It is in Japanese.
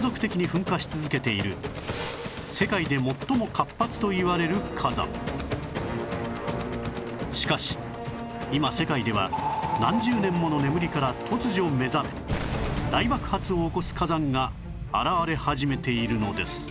南東部にあるしかし今世界では何十年もの眠りから突如目覚め大爆発を起こす火山が現れ始めているのです